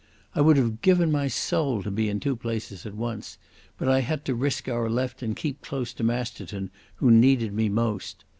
I would have given my soul to be in two places at once, but I had to risk our left and keep close to Masterton, who needed me most.